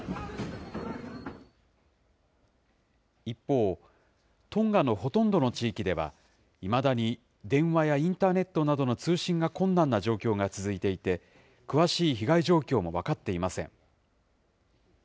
一方、トンガのほとんどの地域では、いまだに電話やインターネットなどの通信が困難な状況が続いていて、詳しい被害状況も分かっていません。